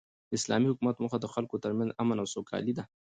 د اسلامي حکومت موخه د خلکو تر منځ امن او سوکالي ده.